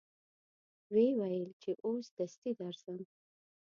و یې ویل چې اوس دستي درځم.